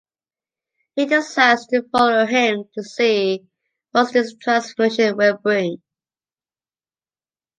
He decides to follow him to see what this transformation will bring.